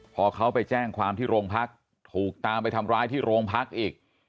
พอเขาไปแจ้งความที่โรงพักถูกตามไปทำร้ายที่โรงพักอีก